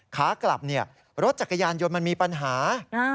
ขากลับรถจักรยานยนต์มันมีปัญหา